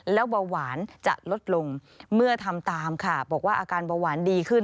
แล้วเบาหวานจะลดลงเมื่อทำตามค่ะบอกว่าอาการเบาหวานดีขึ้น